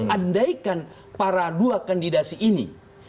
andaikan para dua kandidasi ini